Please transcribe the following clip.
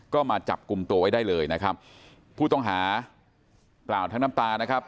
ก็มาจับกลุ่มตัวไว้ได้เลยนะครับผู้ต้องหากล่าวทั้งน้ำตานะครับ